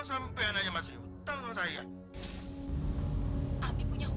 sampai nanya masih utang saya